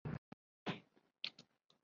此后琉球国开始逐渐兴盛起来。